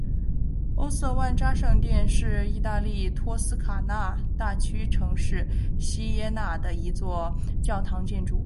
欧瑟万扎圣殿是义大利托斯卡纳大区城市锡耶纳的一座教堂建筑。